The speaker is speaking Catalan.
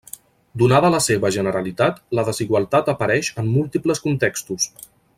Donada la seva generalitat, la desigualtat apareix en múltiples contextos.